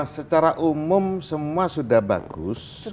secara umum semua sudah bagus